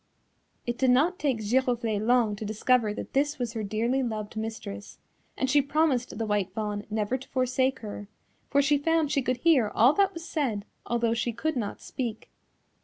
It did not take Giroflée long to discover that this was her dearly loved mistress, and she promised the White Fawn never to forsake her, for she found she could hear all that was said although she could not speak.